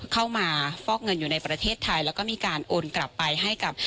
ฟอกเงินอยู่ในประเทศไทยแล้วก็มีการโอนกลับไปให้กับ